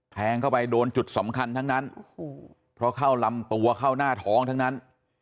แทงเข้าไปโดนจุดสำคัญทั้งนั้นเพราะเข้าลำตัวเข้าหน้าท้องทั้งนั้น